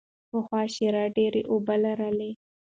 پخوا شیره ډېره اوبه لرله.